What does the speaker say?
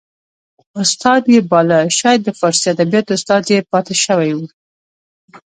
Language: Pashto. استاد یې باله شاید د فارسي ادبیاتو استاد یې پاته شوی و